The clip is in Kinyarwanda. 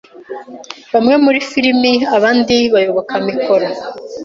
Bamwe muri Filime, abandi bayoboka mikoro